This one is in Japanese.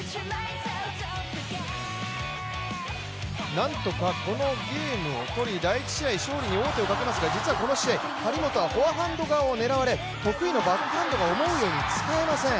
なんとかこのゲームをとり第１試合、勝利に王手をかけますが実はこの試合、張本はフォアハンド側を狙われ得意のバックハンドが思うように使えません。